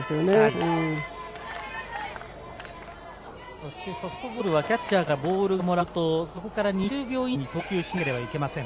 そしてソフトボールはキャッチャーからボールをもらうとそこから２０秒以内に投球しなければいけません。